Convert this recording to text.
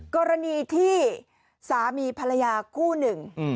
กรณีที่สามีภรรยาคู่หนึ่ง